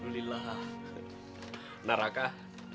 ini mbah buat mbah buka puasa